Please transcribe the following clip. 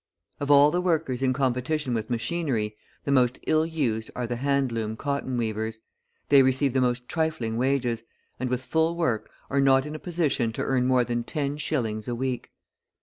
Of all the workers in competition with machinery, the most ill used are the hand loom cotton weavers. They receive the most trifling wages, and, with full work, are not in a position to earn more than ten shillings a week.